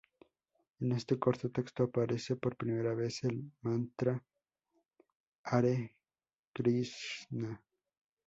En este corto texto aparece por primera vez el "mantra hare krishna".